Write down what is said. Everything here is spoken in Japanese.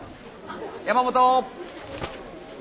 山本。